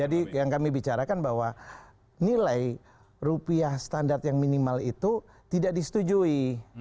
jadi yang kami bicarakan bahwa nilai rupiah standar yang minimal itu tidak disetujui